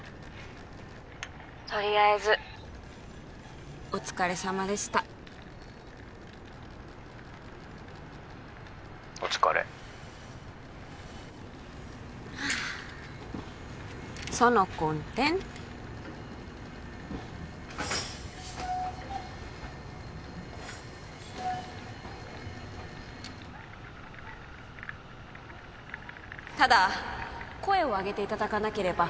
とりあえずお疲れさまでしたお疲れはあ Ｓｏｎｏｃｏｎｔｅｎｔｏただ声を上げていただかなければ